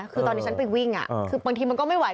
คือตอนนี้ฉันไปวิ่งคือบางทีมันก็ไม่ไหว